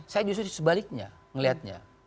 saya justru sebaliknya melihatnya